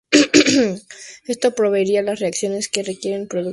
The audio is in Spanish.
Esto proveería a las reacciones que requieren un producto más puro y mayor rendimiento.